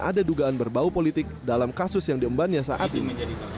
ada dugaan berbau politik dalam kasus yang diembannya saat ini